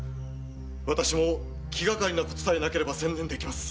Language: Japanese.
私も気がかりなことさえなければ専念できます。